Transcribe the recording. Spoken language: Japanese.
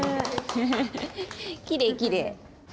きれいきれい。